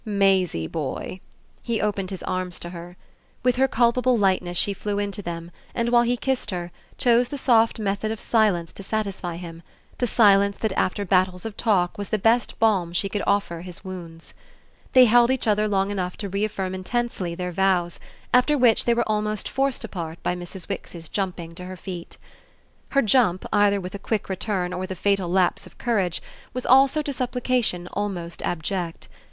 "Maisie boy!" he opened his arms to her. With her culpable lightness she flew into them and, while he kissed her, chose the soft method of silence to satisfy him, the silence that after battles of talk was the best balm she could offer his wounds. They held each other long enough to reaffirm intensely their vows; after which they were almost forced apart by Mrs. Wix's jumping to her feet. Her jump, either with a quick return or with a final lapse of courage, was also to supplication almost abject.